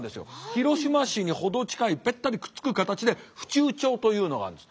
広島市に程近いべったりくっつく形で府中町というのがあるんです。